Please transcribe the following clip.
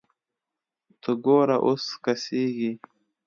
ته ګوره اوس کسږي